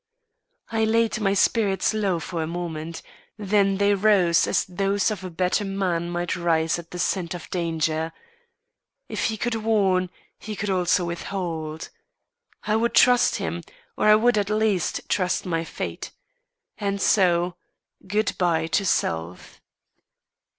It laid my spirits low for a moment; then they rose as those of a better man might rise at the scent of danger. If he could warn, he could also withhold. I would trust him, or I would, at least, trust my fate. And so, good bye to self.